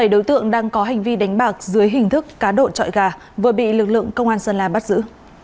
bảy đối tượng đang có hành vi đánh bạc dưới hình thức cá độ trọi gà vừa bị lực lượng công an sơn la bắt giữ